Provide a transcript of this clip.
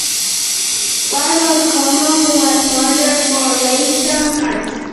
Far more common was murder for ration cards.